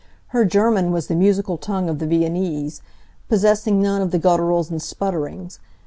Her German was the musical tongue of the Viennese, possessing none of the gutturals and sputterings.